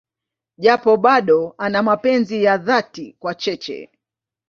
Japo bado ana mapenzi ya dhati kwa Cheche.